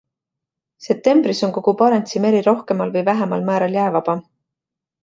Septembris on kogu Barentsi meri rohkemal või vähemal määral jäävaba.